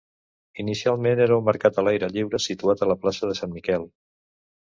Inicialment era un mercat a l'aire lliure situat a la plaça de Sant Miquel.